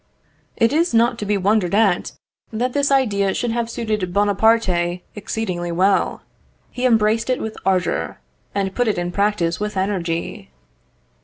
It is not to be wondered at that this idea should have suited Buonaparte exceedingly well. He embraced it with ardour, and put it in practice with energy.